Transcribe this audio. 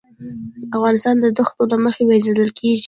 افغانستان د دښتو له مخې پېژندل کېږي.